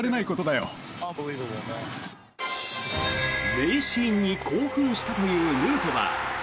名シーンに興奮したというヌートバー。